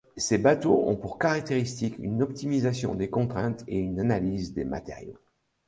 Ses bateaux ont pour caractéristique une optimisation des contraintes et une analyse des matériaux.